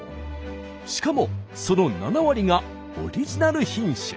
しかもその７割がオリジナル品種。